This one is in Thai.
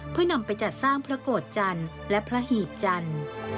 เพื่อนำไปจัดสร้างพระโกรธจันทร์และพระหีบจันทร์